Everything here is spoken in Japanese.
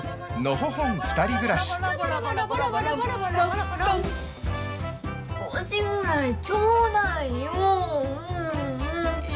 少しぐらいちょうだいよ。